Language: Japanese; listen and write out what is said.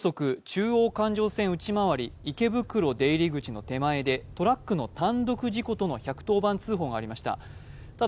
中央環状線内回り池袋出入り口の手前でトラックの単独事故との１１０番通報がありました。